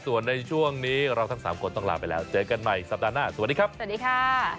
ส่วนในช่วงนี้เราทั้งสามคนต้องลาไปแล้วเจอกันใหม่สัปดาห์หน้าสวัสดีครับสวัสดีค่ะ